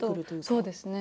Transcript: そうですね。